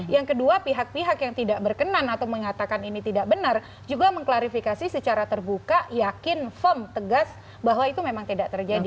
yang kedua pihak pihak yang tidak berkenan atau mengatakan ini tidak benar juga mengklarifikasi secara terbuka yakin firm tegas bahwa itu memang tidak terjadi